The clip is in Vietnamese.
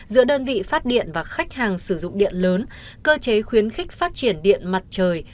giữa đơn vị phát điện và khách hàng sử dụng điện lớn cơ chế khuyến khích phát triển điện mặt trời